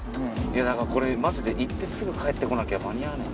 これマジで行ってすぐ帰ってこなきゃ間に合わない。